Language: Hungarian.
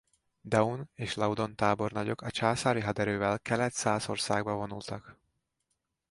Daun és Laudon tábornagyok a császári haderővel Kelet-Szászországba vonultak.